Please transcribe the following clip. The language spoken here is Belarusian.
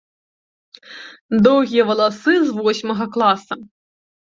Доўгія васалы з восьмага класа.